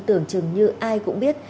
tưởng chừng như ai cũng biết